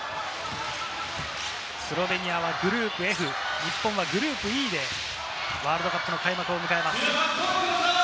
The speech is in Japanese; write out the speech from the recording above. スロベニアはグループＦ、日本はグループＥでワールドカップの開幕を迎えます。